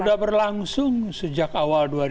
sudah berlangsung sejak awal dua ribu dua